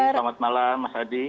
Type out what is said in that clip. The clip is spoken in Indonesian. selamat malam mas hadi